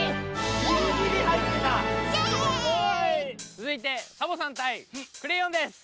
つづいてサボ子さんたいクレヨンです！